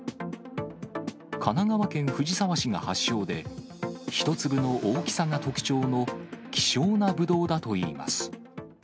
神奈川県藤沢市が発祥で、一粒の大きさが特徴の希少なぶどうだといいます。